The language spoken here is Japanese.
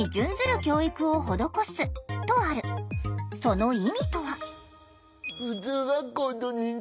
その意味とは。